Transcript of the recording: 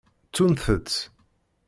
Ttunt-t.